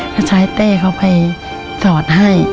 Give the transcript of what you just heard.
หรือใช่เต่เขาไปสอดให้